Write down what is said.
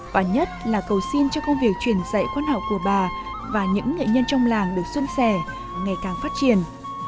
và nhất là cầu xin cho công việc truyền dạy quan học của bà và những nghệ nhân trong làng được xuân sẻ ngày càng phát triển